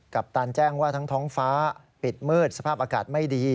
ปตันแจ้งว่าทั้งท้องฟ้าปิดมืดสภาพอากาศไม่ดี